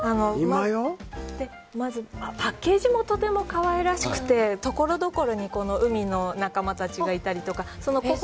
まずパッケージもとても可愛らしくてところどころに海の仲間たちがいたりとか。